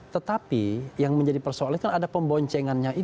tetapi yang menjadi persoalan kan ada pemboncengannya itu